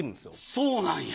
そうなんや。